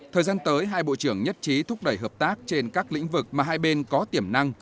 thời gian tới hai bộ trưởng nhất trí thúc đẩy hợp tác trên các lĩnh vực mà hai bên có tiềm năng